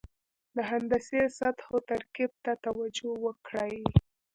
د هندسي سطحو ترکیب ته توجه وکړئ.